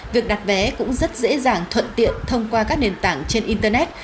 việc đặt vé cũng rất dễ dàng thuận tiện thông qua các nền tảng trên internet